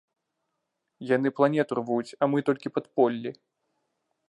Яны планету рвуць, а мы толькі падполлі.